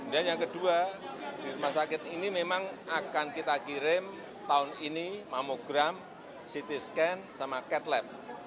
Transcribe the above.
dan yang kedua di rumah sakit ini memang akan kita kirim tahun ini mamogram ct scan sama cat lab